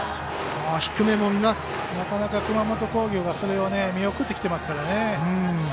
なかなか、熊本工業が、それを見送ってきてますからね。